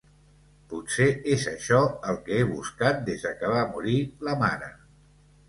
Potser és això el que he buscat des que va morir la mare.